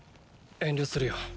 遠慮するよ。